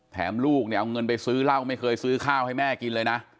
ลูกเนี่ยเอาเงินไปซื้อเหล้าไม่เคยซื้อข้าวให้แม่กินเลยนะ